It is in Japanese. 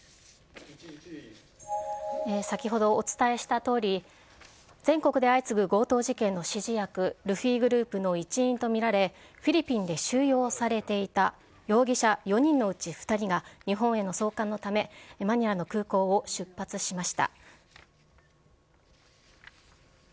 先ほどお伝えしたとおり、全国で相次ぐ強盗事件の指示役、ルフィグループの一員と見られ、フィリピンで収容されていた容疑者４人のうち２人が、日本への送還のため、マニラの空港を出発しました。